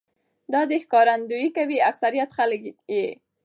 دا دې ښکارنديي کوي اکثريت خلک يې